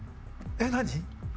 えっ何？